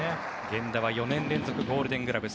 源田は４年連続ゴールデンクラブ。